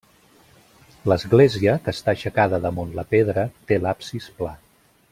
L'església, que està aixecada damunt la pedra, té l'absis pla.